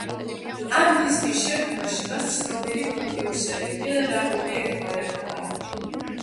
ამ დისკის შექმნაში მას ცნობილი პროდიუსერი, ფილ რამონი ეხმარებოდა.